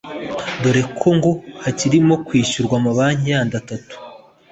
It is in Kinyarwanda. dore ko ngo hakirimo kwishyurwa amabanki yandi atatu